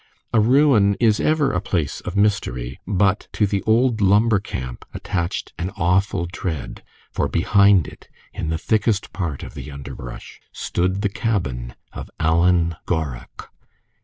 A ruin is ever a place of mystery, but to the old Lumber Camp attached an awful dread, for behind it, in the thickest part of the underbrush, stood the cabin of Alan Gorrach.